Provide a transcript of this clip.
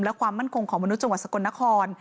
และความมั่นคงของมนุษย์จังหวัดสกลนคร